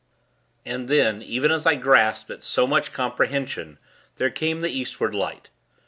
And then, even as I grasped at so much comprehension, there came the Eastward light.